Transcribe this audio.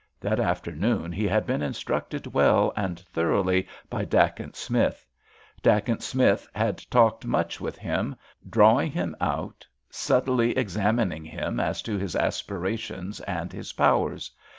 That afternoon he had been instructed well and thoroughly by Dacent Smith. Dacent Smith had talked much with him, drawing him out, subtly examining him as to his aspirations and his powers.